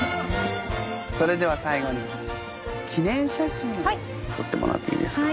それでは最後に記念写真を撮ってもらっていいですか？